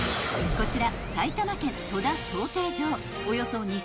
［こちら］